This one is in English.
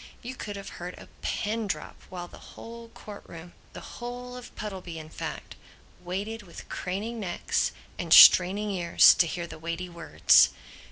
You could have heard a pin drop while the whole court room, the whole of Puddleby in fact, waited with craning necks and straining ears to hear the weighty words.